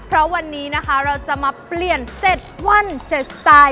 เพราะวันนี้นะคะเราจะมาเปลี่ยน๗วัน๗สไตล์